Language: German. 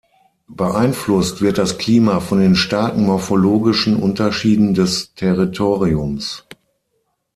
Beeinflusst wird das Klima von den starken morphologischen Unterschieden des Territoriums.